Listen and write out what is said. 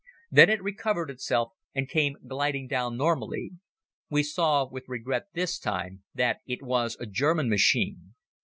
Then it recovered itself and came gliding down normally. We saw, with regret this time, that it was a German machine.